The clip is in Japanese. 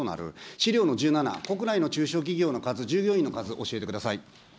資料の１７、国内の中小企業の数、従業員の数、教えてください。